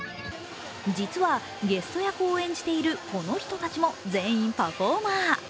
実はゲスト役を演じているこの人たちも全員パフォーマー。